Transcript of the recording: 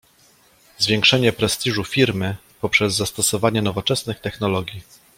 Zwiększenie prestiżu Firmy poprzez zastosowanie nowoczesnych technologii